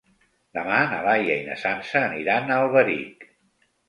Demà na Laia i na Sança aniran a Alberic.